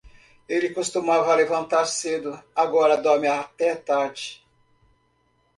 Ele costumava levantar cedo, agora dorme até tarde.